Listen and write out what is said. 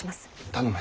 頼む。